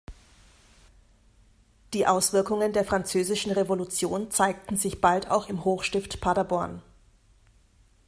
Die Auswirkungen der Französischen Revolution zeigten sich bald auch im Hochstift Paderborn.